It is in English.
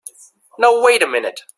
Now wait a minute!